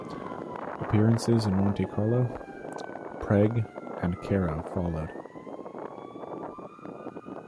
Appearances in Monte Carlo, Prague, and Cairo followed.